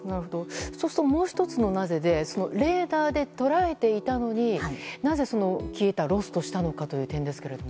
そうすると、もう１つのなぜでレーダーで捉えていたのになぜロストしたのかという点ですが。